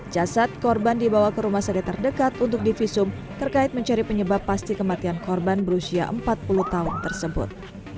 jasad korban dibawa ke rumah sakit terdekat untuk divisum terkait mencari penyebab pasti kematian korban berusia empat puluh tahun tersebut